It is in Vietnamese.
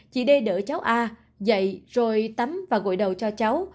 chị đê đỡ cháu a dậy rồi tắm và gội đầu cho cháu